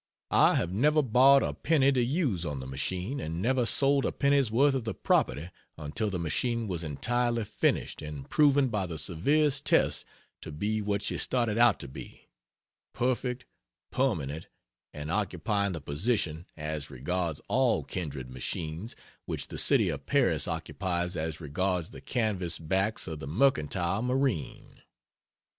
I have never borrowed a penny to use on the machine, and never sold a penny's worth of the property until the machine was entirely finished and proven by the severest tests to be what she started out to be perfect, permanent, and occupying the position, as regards all kindred machines, which the City of Paris occupies as regards the canvas backs of the mercantile marine.